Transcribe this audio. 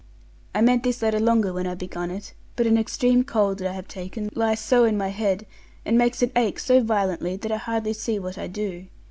I meant this letter longer when I begun it, but an extreme cold that I have taken lies so in my head, and makes it ache so violently, that I hardly see what I do.